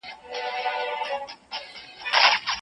هغه د خپل هېواد له پاره قرباني ورکړې وه.